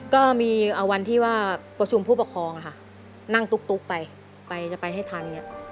ก็มีวันที่ว่าประชุมผู้ประคองค่ะนั่งตุ๊กไปไปจะไปให้ทัน